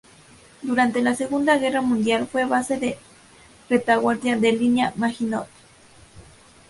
Durante la Segunda Guerra Mundial fue base de retaguardia de la Línea Maginot.